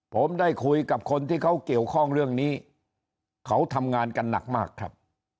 ผมได้คุยกับคนที่เขาเกี่ยวข้องเรื่องนี้เขาทำงานกันหนักมากครับ